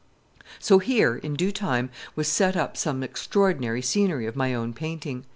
So here, in due time, was set up some extraordinary scenery of my own painting.